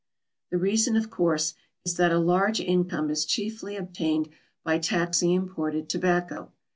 The reason of course is that a large income is cheaply obtained by taxing imported tobacco.